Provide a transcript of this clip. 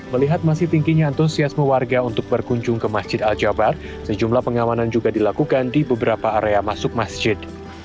melihat masih tingginya antusiasme warga untuk berkunjung ke masjid al jabar sejumlah pengamanan juga dilakukan di beberapa area masuk masjid